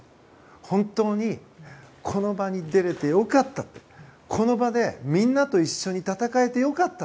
本当にこの場に出れてよかったとこの場でみんなと一緒に戦えて良かった。